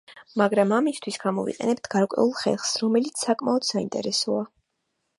მაგრამ ამისთვის გამოვიყენებთ გარკვეულ ხერხს, რომელიც საკმაოდ საინტერესოა.